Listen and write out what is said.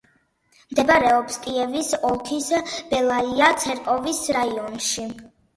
მდებარეობს კიევის ოლქის ბელაია-ცერკოვის რაიონში.